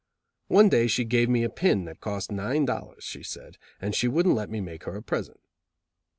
One day she gave me a pin that cost nine dollars, she said, and she wouldn't let me make her a present.